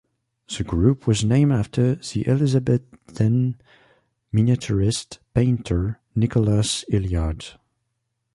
The group was named after the Elizabethan miniaturist painter Nicholas Hilliard.